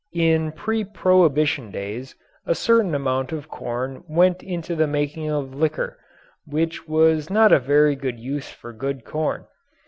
In pre Prohibition days a certain amount of corn went into the making of liquor, which was not a very good use for good corn.